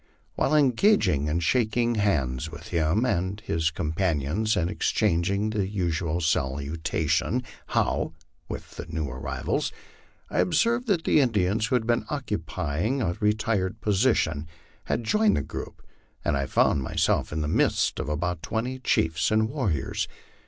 While engaged in shaking hands with him and his companions, and ex changing the usual salutation, " How," with the new arrivals, I observed that the Indians who had been occupying a retired position had joined the group, and I found myself in the midst of about twenty chiefs and warriors.